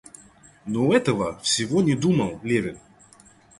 Но этого всего не думал Левин.